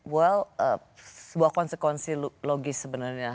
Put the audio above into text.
well sebuah konsekuensi logis sebenarnya